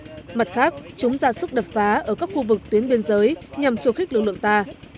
mặt khác chúng ra sức đập phá ở các khu vực tuyến biên giới nhằm khiêu khích lực lượng ta